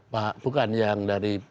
pak bukan yang dari